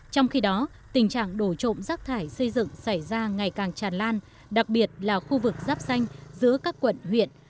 trong khi đó tình trạng đổ trộm rác thải xây dựng xảy ra ngày càng tràn lan đặc biệt là khu vực giáp xanh giữa các quận huyện